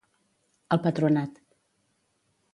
El Patronat.